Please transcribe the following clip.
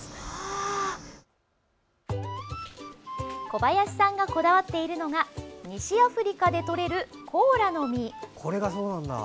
小林さんがこだわっているのが西アフリカでとれるコーラの実。